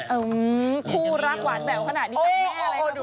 อื้อคู่รักหวานแบบขนาดนี้จากแม่อะไรครับคุณพี่